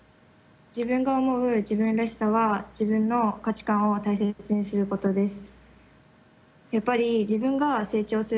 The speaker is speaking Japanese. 自分が思う自分らしさは「自分の価値観を大切にすること」です。